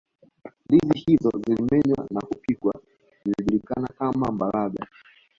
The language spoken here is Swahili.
ndizi hizo zilimenywa na kupikwa zilijulikana kama mbalaga